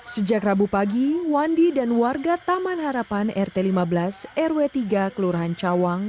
sejak rabu pagi wandi dan warga taman harapan rt lima belas rw tiga kelurahan cawang